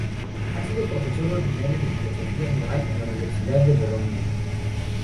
Ha sido profesor ordinario de Filosofía moral en la Universidad de Bolonia.